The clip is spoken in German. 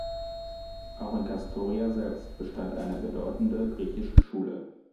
Auch in Kastoria selbst bestand eine bedeutende griechische Schule.